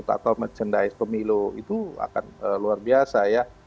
atau merchandise pemilu itu akan luar biasa ya